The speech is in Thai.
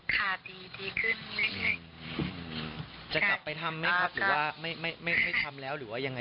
คลายท่องเหรอตอนนี้ยังไม่ได้คิดเลยนะนะคะ